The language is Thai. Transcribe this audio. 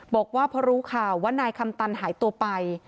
บอกว่าพอรู้ข่าวว่านายคำตันหายตัวไป